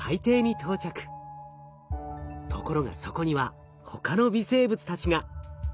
ところがそこにはほかの微生物たちが。